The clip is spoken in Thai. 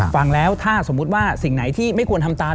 ฟังแล้วถ้าสมมุติว่าสิ่งไหนที่ไม่ควรทำตาม